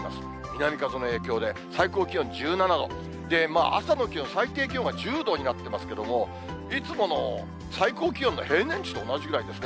南風の影響で、最高気温１７度、朝の気温、最低気温が１０度になってますけれども、いつもの最高気温の平年値と同じぐらいですね。